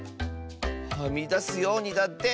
はみだすようにだって。